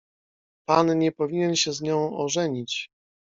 "Pan nie powinien się z nią ożenić."